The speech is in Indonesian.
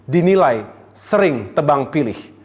dinilai sering tebang pilih